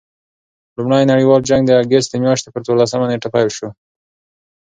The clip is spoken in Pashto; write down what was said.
لومړي نړۍوال جنګ د اګسټ د میاشتي پر څوارلسمه نېټه پيل سو.